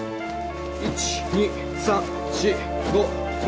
１２３４５６。